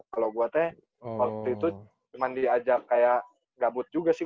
kalau gue teh waktu itu cuman diajak kayak gabut juga sih